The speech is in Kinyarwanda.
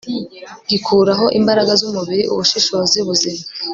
gikuraho imbaraga zumubiri ubushishozi buzima